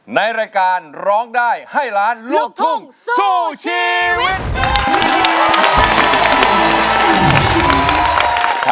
ในรายการร้องได้ให้ล้านลูกทุ่งสู้ชีวิต